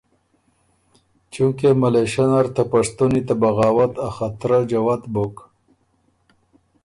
چونکې ملېشۀ نر ته پشتُونی ته بغاوت ا خطره جوَت بُک